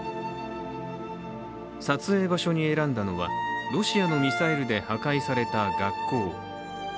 撮影場所に選んだのはロシアのミサイルで破壊された学校。